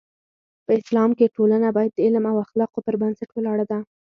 په اسلام کې ټولنه باید د علم او اخلاقو پر بنسټ ولاړه ده.